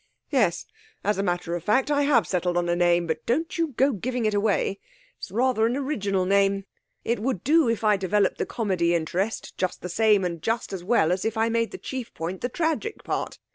'Yes, as a matter of fact I have settled on a name; but don't you go giving it away. It's rather an original name. It would do if I developed the comedy interest just the same and just as well as if I made the chief point the tragic part.